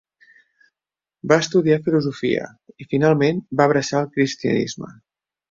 Va estudiar filosofia i finalment va abraçar el cristianisme.